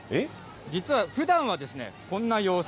実はふだんはですね、こんな様子。